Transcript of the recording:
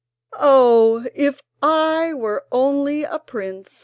"Oh, if I were only a prince!"